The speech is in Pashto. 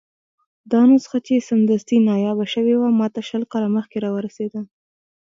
دا نسخه چې سمدستي نایابه شوې وه، ماته شل کاله مخکې راورسېده.